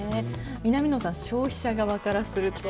南野さん、消費者側からすると。